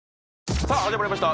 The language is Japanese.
さあ始まりました